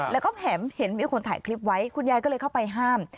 แล้วก็แถมเห็นมีคนถ่ายคลิปไว้คุณยายก็เลยเข้าไปห้าม